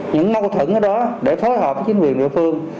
những mâu thuẫn ở đó để phối hợp với chính quyền địa phương